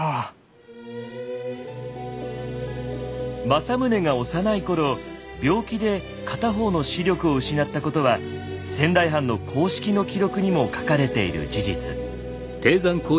政宗が幼い頃病気で片方の視力を失ったことは仙台藩の公式の記録にも書かれている事実。